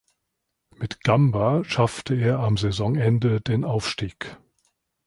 Mit Gamba schaffte er am Saisonende den Aufstieg.